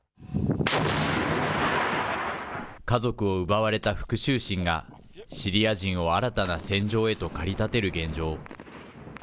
家族を奪われた復しゅう心が、シリア人を新たな戦場へと駆り立てる現状。